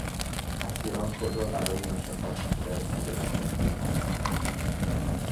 اسیران خود را برای مشقاتی که در انتظارشان بود آماده کردند.